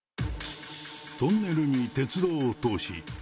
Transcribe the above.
トンネルに鉄道を通し、ＡＳＥＭ